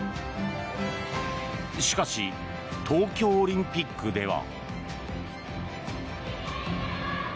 しかし東京オリンピックでは。